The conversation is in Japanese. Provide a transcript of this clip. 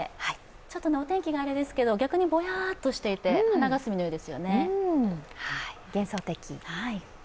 ちょっとお天気があれですけど逆にぼやっとしていて花霞のようですよね。